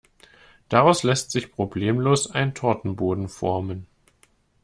Daraus lässt sich problemlos ein Tortenboden formen.